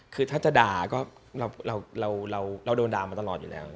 คือถ้าจะด่าก็เราโดนด่ามาตลอดอยู่แล้ว